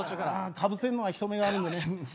かぶせんのは人目があるんでね。